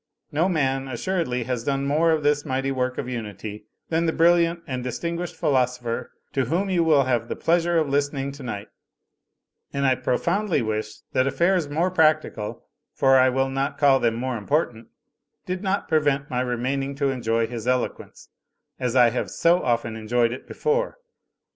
No man assuredly has done more of this mighty work of unity than the brilliant and distinguished philosopher to whom you will have the pleasure of listening tonight; and I profoimdly wish that affairs more practical, for I will not call them more important, did not prevent my remaining to enjoy his eloquence, as I have so often enjoyed it before.